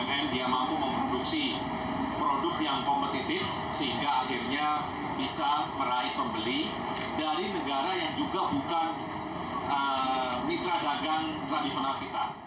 umkm dia mampu memproduksi produk yang kompetitif sehingga akhirnya bisa meraih pembeli dari negara yang juga bukan mitra dagang tradisional kita